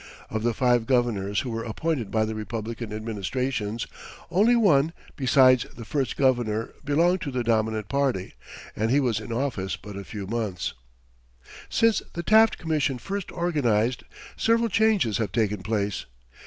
Of the five governors who were appointed by the Republican administrations, only one besides the first governor belonged to the dominant party, and he was in office but a few months. Since the Taft Commission first organized, several changes have taken place.